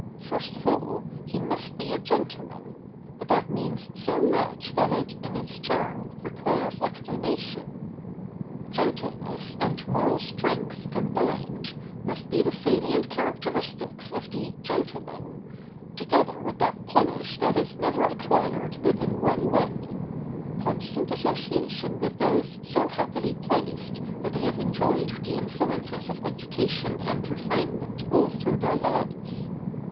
First of all, he must be a gentleman; but that means so much that it, in its turn, requires explanation. Gentleness and moral strength combined must be the salient characteristics of the "gentleman," together with that polish that is never acquired but in one way: constant association with those so happily placed that they have enjoyed the influences of education and refinement all through their lives.